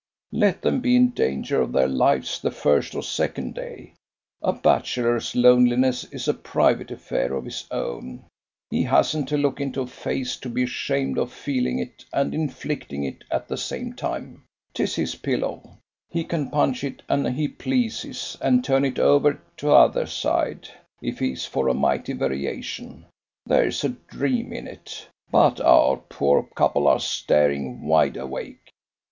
Let them be in danger of their lives the first or second day. A bachelor's loneliness is a private affair of his own; he hasn't to look into a face to be ashamed of feeling it and inflicting it at the same time; 'tis his pillow; he can punch it an he pleases, and turn it over t'other side, if he's for a mighty variation; there's a dream in it. But our poor couple are staring wide awake.